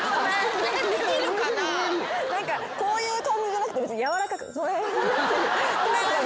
こういう感じじゃなくて別にやわらかく。